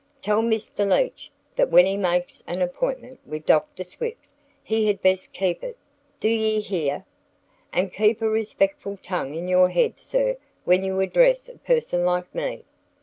Tell Mr. Leach that when he makes an appointment with Dr. Swift he had best keep it, do ye hear? And keep a respectful tongue in your head, sir, when you address a person like me."